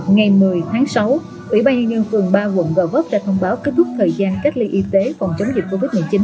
ngày một mươi tháng sáu ubnd phường ba quận g vấp đã thông báo kết thúc thời gian cách ly y tế phòng chống dịch covid một mươi chín